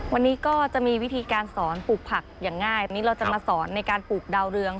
วันนี้ก็จะมีวิธีการสอนปลูกผักอย่างง่ายอันนี้เราจะมาสอนในการปลูกดาวเรือง